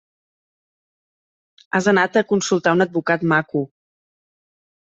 Has anat a consultar un advocat maco.